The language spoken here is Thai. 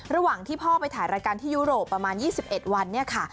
ระหว่างที่พ่อไปถ่ายรายการที่ยุโรปประมาณ๒๑วันเนี่ยค่ะ